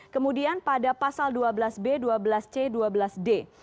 kemudian pada pasal dua belas b dua belas c dua belas d